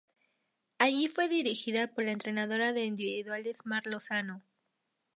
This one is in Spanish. Allí fue dirigida por la entrenadora de individuales Mar Lozano.